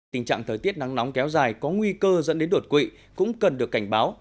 tình trạng thời tiết nắng nóng kéo dài có nguy cơ dẫn đến đột quỵ cũng cần được cảnh báo